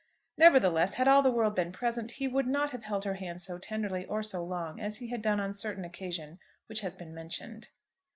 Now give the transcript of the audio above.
Nevertheless, had all the world been present, he would not have held her hand so tenderly or so long as he had done on a certain occasion which has been mentioned.